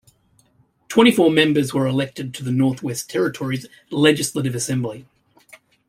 Twenty four members were elected to the Northwest Territories Legislative Assembly.